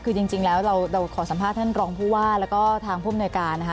คือจริงแล้วเราขอสัมภาษณ์ท่านรองผู้ว่าแล้วก็ทางผู้มนวยการนะคะ